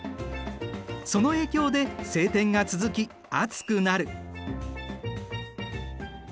その影響で晴天が続き暑くなる。